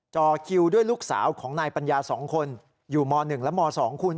จอคิวด้วยลูกสาวของนายปัญญา๒คนอยู่ม๑และม๒คุณ